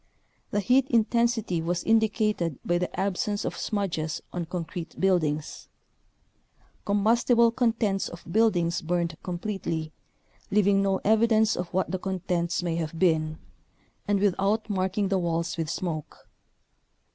The heat intensity was indicated by the absence of smudges on concrete buildings. Combustible contents of buildings burned completely, leav ing no evidence of what the contents may have been, and without marking the walls with smoke.